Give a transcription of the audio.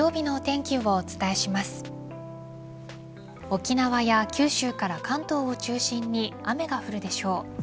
沖縄や九州から関東を中心に雨が降るでしょう。